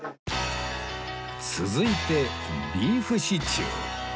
続いてビーフシチュー